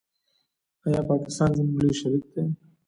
آیا پاکستان زموږ لوی شریک دی؟